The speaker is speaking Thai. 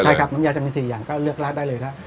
ใช่ครับน้ำยาจะมี๔อย่างก็เลือกราดได้เลยครับ